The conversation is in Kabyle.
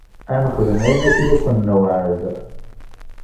Ad nexdem ayen akken i k-newɛed.